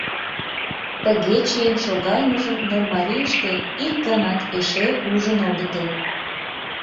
Тыге чиен шогалмыжым Нольмарийыште ик ганат эше ужын огытыл.